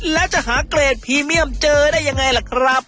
แล้วจะหาเกรดพรีเมียมเจอได้ยังไงล่ะครับ